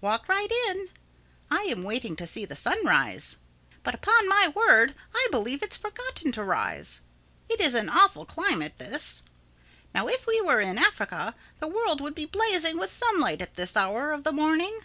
Walk right in. I am waiting to see the sun rise. But upon my word I believe it's forgotten to rise. It is an awful climate, this. Now if we were in Africa the world would be blazing with sunlight at this hour of the morning.